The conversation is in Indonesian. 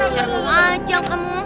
serbu aja kamu